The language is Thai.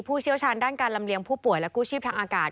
เชี่ยวชาญด้านการลำเลียงผู้ป่วยและกู้ชีพทางอากาศ